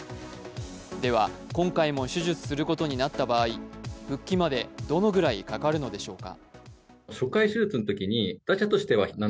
では今回も手術することになった場合、復帰までどのくらいかかるのでしょうか。